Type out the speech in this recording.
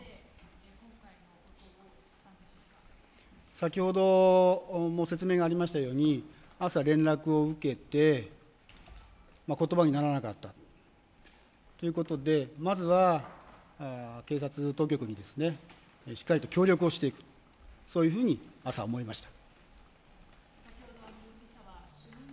先ほども説明がありましたように朝、連絡を受けて言葉にならなかったということでまずは警察当局にしっかりと協力していこうと朝、思いました。